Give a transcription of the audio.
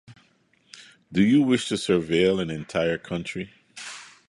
Do you wish to surveil an entire country?